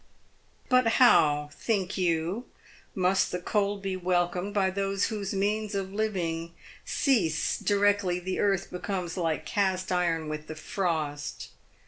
x 4 But how, think you, must the cold be welcomed by those whose means of living cease directly the earth becomes like cast iron with the frost.